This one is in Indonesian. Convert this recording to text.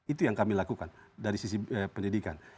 itu yang kami lakukan dari sisi pendidikan